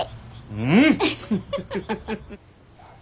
うん！